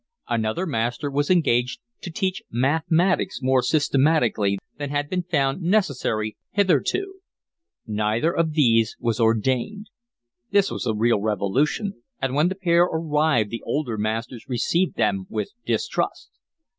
Another master was engaged to teach mathematics more systematically than had been found necessary hitherto. Neither of these was ordained. This was a real revolution, and when the pair arrived the older masters received them with distrust.